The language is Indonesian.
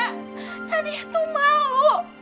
nadia tuh mau